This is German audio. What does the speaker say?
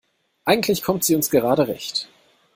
Eigentlich kommt sie uns gerade recht.